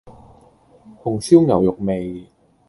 紅燒牛肉味